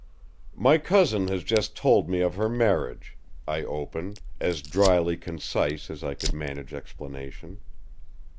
"My cousin has just told me of her marriage," I opened, as dryly concise as I could manage explanation.